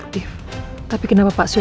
tidak ada obatnya pun